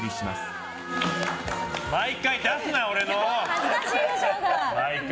恥ずかしいでしょ！